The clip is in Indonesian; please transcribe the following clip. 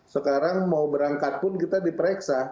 sekarang mau berangkat pun kita diperiksa